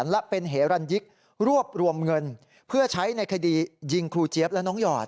และเป็นเหรันยิกรวบรวมเงินเพื่อใช้ในคดียิงครูเจี๊ยบและน้องหยอด